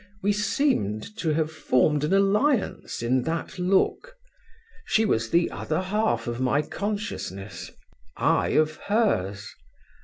We seemed to have formed an alliance in that look: she was the other half of my consciousness, I of hers.